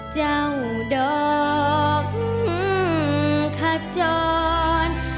เจ้าดอกขจร